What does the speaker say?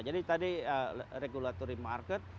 jadi tadi regulatory market